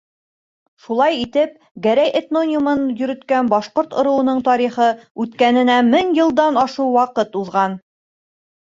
Шулай итеп, Гәрәй этнонимын йөрөткән башҡорт ырыуының тарихи үткәненә мең йылдан ашыу ваҡыт уҙған.